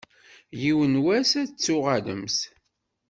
Yiwen n wass ad d-tuɣalemt.